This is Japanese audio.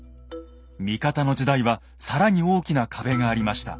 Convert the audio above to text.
味方の時代は更に大きな壁がありました。